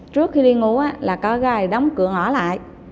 trước khi đi ngủ có gà đóng cửa ngỏ lại